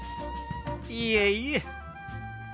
いえいえ。